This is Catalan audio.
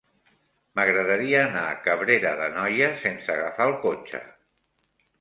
M'agradaria anar a Cabrera d'Anoia sense agafar el cotxe.